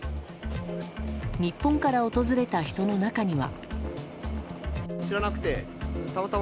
日本から訪れた人の中には。